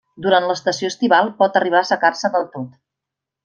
Durant l'estació estival pot arribar a assecar-se del tot.